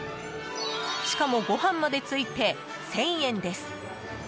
しかも、ご飯までついて１０００円です。